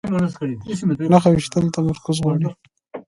نښه ویشتل تمرکز غواړي